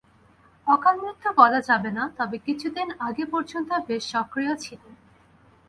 অকালমৃত্যু বলা যাবে না, তবে কিছুদিন আগে পর্যন্ত বেশ সক্রিয় ছিলেন।